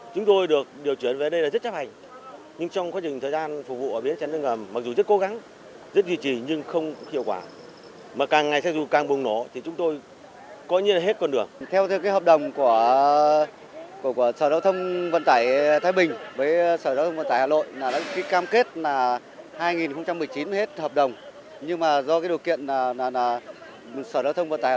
cái cam kết là hai nghìn một mươi chín mới hết hợp đồng nhưng mà do cái điều kiện là sở giao thông vận tải hà nội